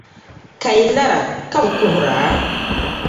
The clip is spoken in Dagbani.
Ka yi lara, ka bi kuhira?